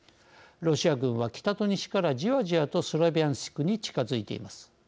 ロシア軍は北と西から、じわじわとスロビャンシクに近づいています。